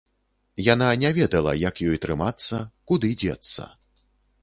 Яна не ведала, як ёй трымацца, куды дзецца.